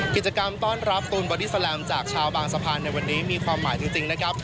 กิจกรรมต้อนรับตูนบอดี้แลมจากชาวบางสะพานในวันนี้มีความหมายจริงนะครับ